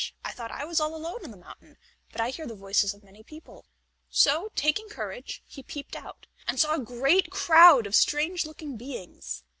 I thought I was all alone in the mountain, but I hear the voices of many people." So, taking courage, he peeped out, and saw a great crowd of strange looking beings.